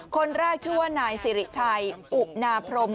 คนแรกชื่อว่านายสิริชัยอุนาพรม